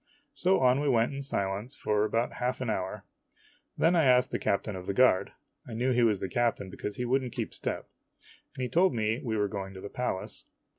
So on we went in silence for about half an o hour. Then I asked the captain of the guard, I knew he was the captain because he would n't keep step, and he told me we were going to the Palace.